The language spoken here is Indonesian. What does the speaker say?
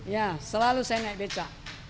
ya selalu saya naik beca